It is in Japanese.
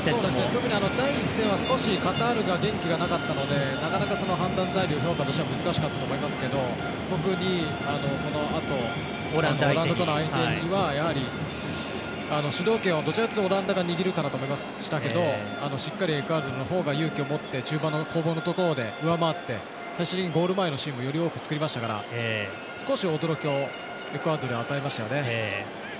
特に第２戦はカタールが元気がなかったのでなかなか判断材料、評価としては難しかったと思いますけど特にそのあとオランダとの相手にはやはり主導権をどちらかというとオランダが握るかと思いましたけどしっかりエクアドルのほうが勇気を持って中盤の攻防のところで上回って最終的にゴール前のシーンもより多く作りましたから少し驚きをエクアドルに与えましたよね。